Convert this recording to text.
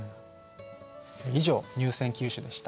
以上入選九首でした。